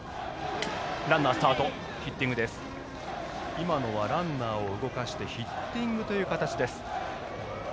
今のはランナーを動かしてヒッティングという形です。